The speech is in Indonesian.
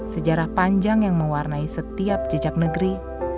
sejarah panjang yang mewarnai setiap jejak negeri